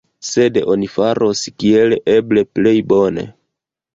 Sed oni faros kiel eble plej bone.